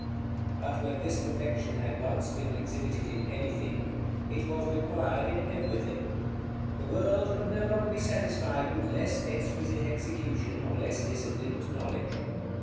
But when this perfection had once been exhibited in anything, it was required in everything; the world could no longer be satisfied with less exquisite execution, or less disciplined knowledge.